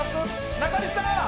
中西さん！